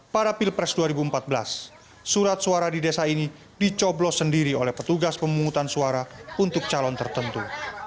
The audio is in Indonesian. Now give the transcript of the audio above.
pada pilpres dua ribu empat belas surat suara di desa ini dicoblos sendiri oleh petugas pemungutan suara untuk calon tertentu